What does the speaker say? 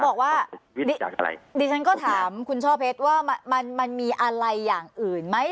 บอกว่าวินิจฉัยดิฉันก็ถามคุณช่อเพชรว่ามันมันมีอะไรอย่างอื่นไหม